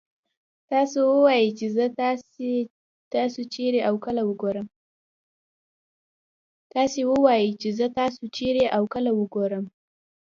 تاسو ووايئ چې زه تاسو چېرې او کله وګورم.